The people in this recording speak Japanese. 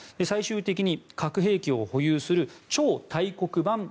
最終的に核兵器を保有する超大国版